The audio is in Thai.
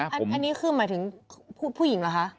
อันนี้คือหมายถึงผู้หญิงเหรอคะ